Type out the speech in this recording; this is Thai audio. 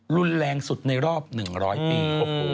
รุนแรงสุดในรอบ๑๐๐ปี